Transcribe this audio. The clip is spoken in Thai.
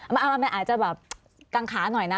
มันอาจจะแบบกังขาหน่อยนะ